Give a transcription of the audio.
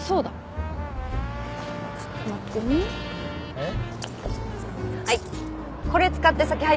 えっ？